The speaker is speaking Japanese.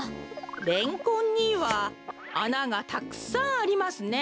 レンコンにはあながたくさんありますね。